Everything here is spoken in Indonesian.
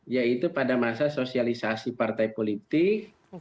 yaitu pada masa sosialisasi partai politik